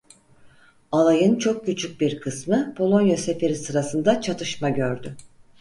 Alayın çok küçük bir kısmı Polonya Seferi sırasında çatışma gördü.